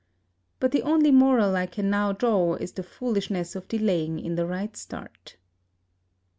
But the only moral I can now draw is the foolishness of delaying in the right start.